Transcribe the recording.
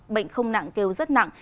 bệnh không nặng kêu rất nặng